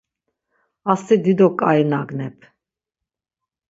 Asti dido ǩai nagnep.